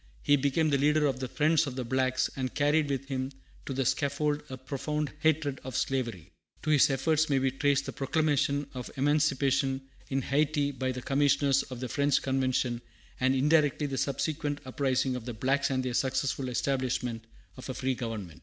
He became the leader of the "Friends of the Blacks," and carried with him to the scaffold a profound hatred, of slavery. To his efforts may be traced the proclamation of emancipation in Hayti by the commissioners of the French convention, and indirectly the subsequent uprising of the blacks and their successful establishment of a free government.